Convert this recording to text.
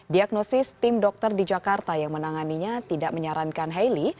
diagnosis tim dokter di jakarta yang menanganinya tidak menyarankan heli